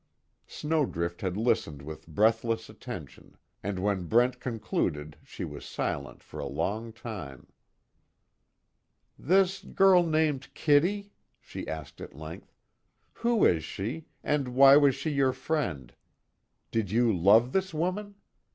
Snowdrift had listened with breathless attention and when Brent concluded she was silent for a long time. "This girl named Kitty?" she asked at length, "Who is she, and why was she your friend? Did you love this woman?